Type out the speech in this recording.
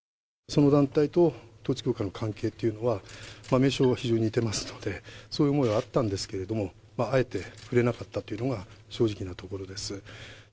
その団体と統一教会の関係というのは、名称は非常に似てますので、そういう思いはあったんですけれども、あえて触れなかったというのが正直なところです。